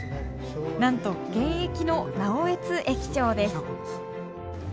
なんと現役の直江津駅長ですへえ！